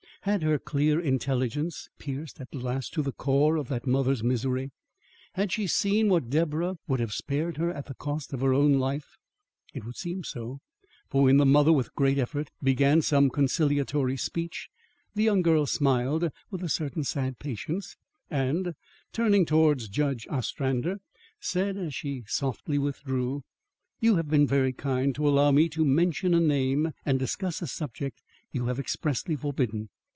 Had her clear intelligence pierced at last to the core of that mother's misery? Had she seen what Deborah would have spared her at the cost of her own life? It would seem so, for when the mother, with great effort, began some conciliatory speech, the young girl smiled with a certain sad patience, and, turning towards Judge Ostrander, said as she softly withdrew: "You have been very kind to allow me to mention a name and discuss a subject you have expressly forbidden.